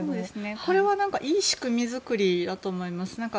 これはいい仕組み作りだと思います。